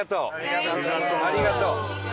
ありがとう！